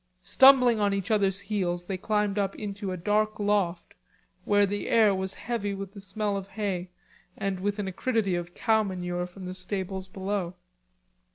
Stumbling on each others' heels they climbed up into a dark loft, where the air was heavy with the smell of hay and with an acridity of cow manure from the stables below.